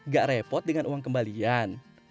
gak repot dengan uang kembalian